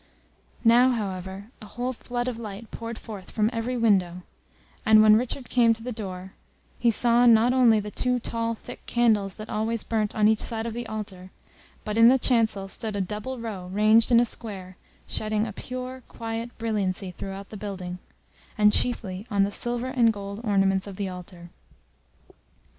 Now, however, a whole flood of light poured forth from every window, and when Richard came to the door, he saw not only the two tall thick candles that always burnt on each side of the Altar, but in the Chancel stood a double row ranged in a square, shedding a pure, quiet brilliancy throughout the building, and chiefly on the silver and gold ornaments of the Altar.